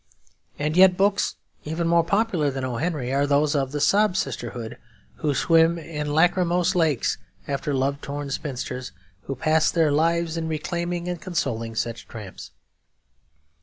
And yet books even more popular than O. Henry's are those of the 'sob sisterhood' who swim in lachrymose lakes after love lorn spinsters, who pass their lives in reclaiming and consoling such tramps.